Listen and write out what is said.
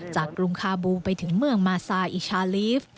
กรุงคาบูไปถึงเมืองมาซาอิชาลีฟ